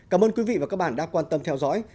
cảm ơn quý vị và các bạn đã quan tâm theo dõi